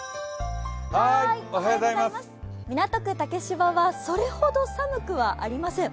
港区竹芝はそれほど寒くはありません。